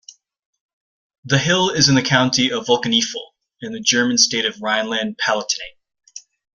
The hill is in the county of Vulkaneifel in the German state of Rhineland-Palatinate.